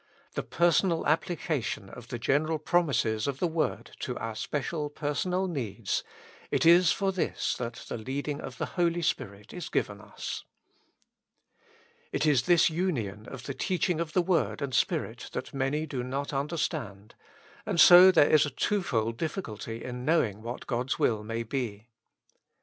The personal applica tion of the general promises of the word to our special personal needs— it is for this that the leadifig of the Holy Spirit is given us. It is this union of the teaching of the word and Spirit that many do not understand, and so there is a twofold difficulty in knowing what God's will may be.